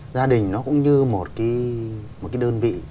gia đình nó cũng như một cái đơn vị